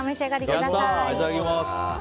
いただきます！